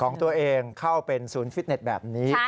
ของตัวเองเข้าเป็นศูนย์ฟิตเน็ตแบบนี้